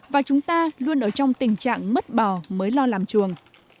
và chúng ta luôn ở trong tình trạng mất bò mới lo làm chuồng